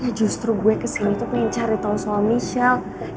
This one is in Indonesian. eh justru gue kesini tuh pengen cari tahu soal michelle